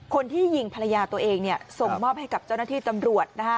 คนที่ยิงภรรยาตัวเองส่งมอบให้กับเจ้าหน้าที่ตำรวจ